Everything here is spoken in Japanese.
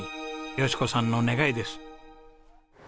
淑子さんの願いです。